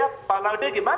ya pak laude gimana